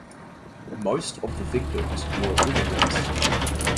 Most of the victims were immigrants.